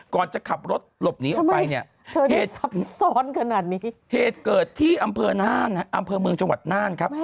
ก่อนจะขับรถหลบหนีออกไปเหตุเกิดที่อำเภอหน้านนะอำเภอเมืองจังหวัดหน้านครับ